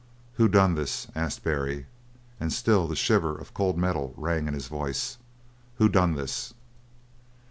"Who done this?" asked Barry, and still the shiver of cold metal rang in his voice. "Who's done this?"